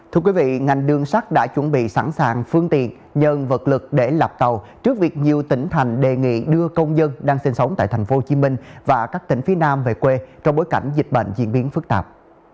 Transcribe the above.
thưa quý vị ngành đường sắt đã chuẩn bị sẵn sàng phương tiện nhân vật lực để lạp cầu trước việc nhiều tỉnh thành đề nghị đưa công dân đang sinh sống tại thành phố hồ chí minh và các tỉnh phía nam về quê trong bối cảnh dịch bệnh diễn biến phức tạp